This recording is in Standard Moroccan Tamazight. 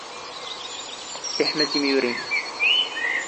ⵉⵃⵎⵍ ⵜⵉⵎⵢⵓⵔⵉⵏ.